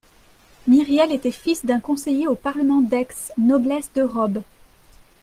Myriel était fils d'un conseiller au parlement d'Aix, noblesse de robe